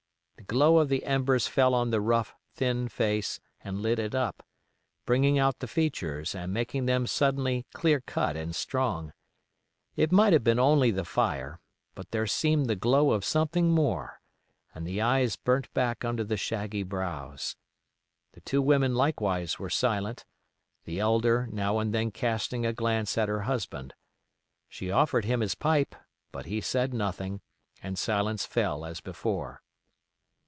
The glow of the embers fell on the rough, thin face and lit it up, bringing out the features and making them suddenly clear cut and strong. It might have been only the fire, but there seemed the glow of something more, and the eyes burnt back under the shaggy brows. The two women likewise were silent, the elder now and then casting a glance at her husband. She offered him his pipe, but he said nothing, and silence fell as before.